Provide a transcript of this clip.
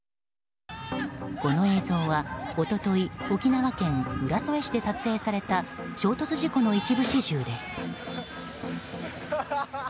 この映像は一昨日沖縄県浦添市で撮影された衝突事故の一部始終です。